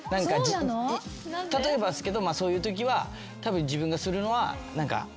例えばっすけどそういうときはたぶん自分がするのは。